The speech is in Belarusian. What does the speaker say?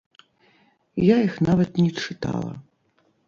Я іх нават не чытала.